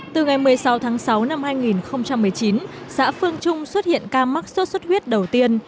từ ngày một mươi sáu tháng sáu năm hai nghìn một mươi chín xã phương trung xuất hiện ca mắc sốt xuất huyết đầu tiên